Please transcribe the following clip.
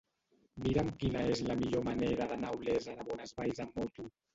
Mira'm quina és la millor manera d'anar a Olesa de Bonesvalls amb moto.